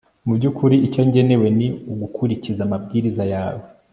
mu by'ukuri icyo ngenewe ni ugukurikiza amabwiriza yawe